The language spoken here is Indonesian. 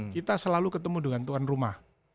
kita selalu ketemu dengan tuan rumah